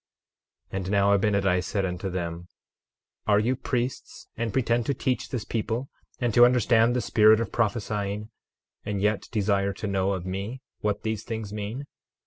12:25 And now Abinadi said unto them: Are you priests, and pretend to teach this people, and to understand the spirit of prophesying, and yet desire to know of me what these things mean?